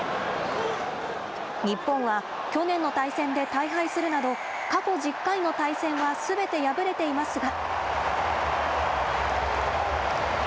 日本は去年の対戦で大敗するなど過去１０回の対戦はすべて敗れていますが。